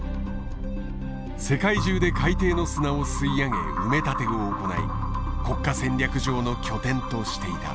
世界中で海底の砂を吸い上げ埋め立てを行い国家戦略上の拠点としていた。